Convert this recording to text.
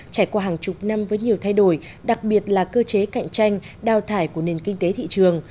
trải qua hàng chục năm với nhiều thay đổi đặc biệt là cơ chế cạnh tranh đào thải của nền kinh tế thị trường